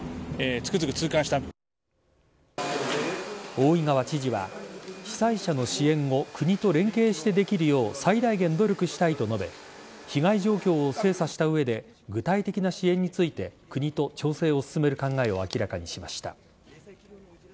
大井川知事は被災者の支援を国と連携してできるよう最大限努力したいと述べ被害状況を精査した上で具体的な支援について国と調整を進める考えを明らかにしました。